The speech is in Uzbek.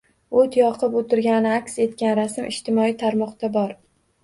Oʻt yoqib oʻtirgani aks etgan rasm ijtimoiy tarmoqda bor